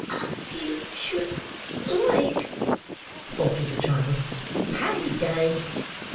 "I should like—" faltered the child. "Hey day!"